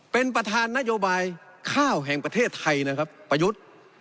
เป็นประธานนโยบายข้าวแห่งประเทศไทยนะครับประยุทธ์